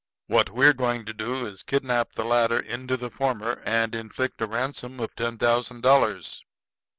What we're going to do is to kidnap the latter into the former, and inflict a ransom of ten thousand dollars."